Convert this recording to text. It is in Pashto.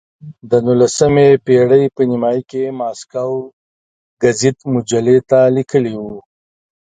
د نولسمې پېړۍ په نیمایي کې یې ماسکو ګزیت مجلې ته لیکلي وو.